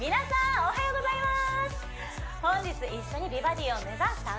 おはようございます！